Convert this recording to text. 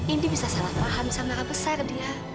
ini bisa salah paham sama nara besar dia